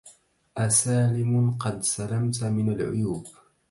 أسالم قد سلمت من العيوب